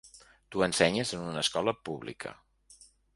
Tu ensenyes en una escola pública.